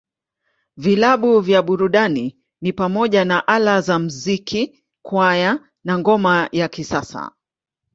Vilabu vya burudani ni pamoja na Ala za Muziki, Kwaya, na Ngoma ya Kisasa.